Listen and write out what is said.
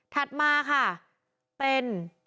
ถัดมาค่ะเป็น